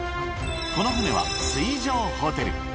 この船は水上ホテル。